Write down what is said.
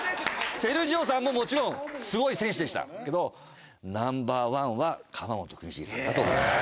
セルジオさんももちろんすごい選手でしたけどナンバー１は釜本邦茂さんだと思います。